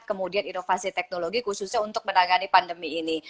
kemudian inovasi teknologi khususnya untuk menangani pandemi ini